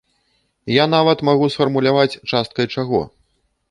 І я нават магу сфармуляваць, часткай чаго.